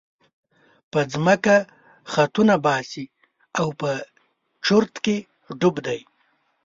په ځمکه خطونه باسي او په چورت کې ډوب دی.